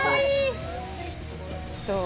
どう？